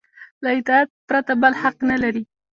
له اطاعت پرته بل حق نه لري.